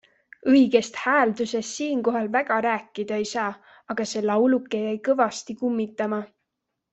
Õigest hääldusest siinkohal väga rääkida ei saa ... aga see lauluke jäi kõvasti kummitama.